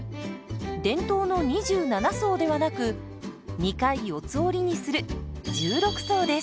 伝統の２７層ではなく２回四つ折りにする１６層です。